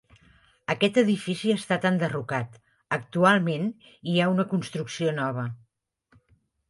Aquest edifici ha estat enderrocat, actualment hi ha una construcció nova.